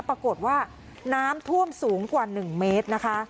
ปรากฏว่าน้ำท่วมสูงกว่า๑เมตรนะคะ